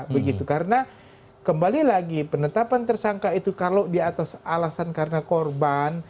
begitu karena kembali lagi penetapan tersangka itu kalau di atas alasan karena korban